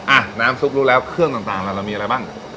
อ่ะน้ำซุปรู้แล้วเครื่องต่างล่ะเรามีอะไรบ้าง